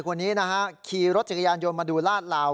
ผู้ชายคนนี้นะฮะขี่รถจักรยานโยนมาดูลาดลาว